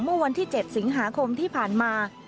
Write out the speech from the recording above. เมื่อวันที่๗สิงหาคมที่ผ่านมา